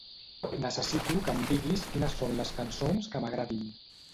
Necessito que em diguis quines són les cançons que m'agradin.